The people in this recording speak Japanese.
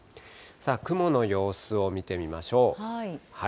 雲の様子を見てみましょう。